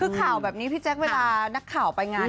คือข่าวแบบนี้พี่แจ๊คเวลานักข่าวไปงาน